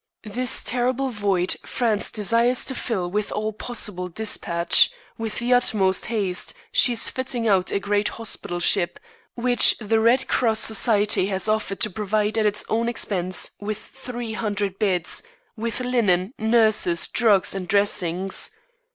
This terrible void France desires to fill with all possible dispatch. With the utmost haste, she is fitting out a great hospital ship, which the Red Cross Society has offered to provide at its own expense with three hundred beds, with linen, nurses, drugs and dressings.